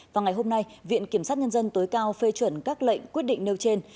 và ngày hôm nay viện kiểm sát nhân dân tối cao phê chuẩn các lệnh quyết định nêu trên